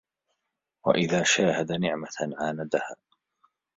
وَإِذَا شَاهَدَ نِعْمَةً عَانَدَهَا